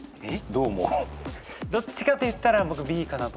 どっちかといったら僕Ｂかなと。